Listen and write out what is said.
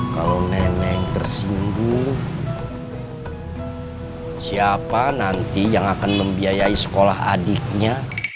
kalau nenek tersinggung siapa nanti yang akan membiayai sekolah adiknya